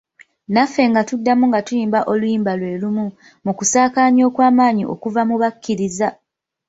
Naffe nga tuddamu nga tuyimba oluyimba lwe lumu, mu kusaakaanya okw'amaanyi okuva mu bakkiriza!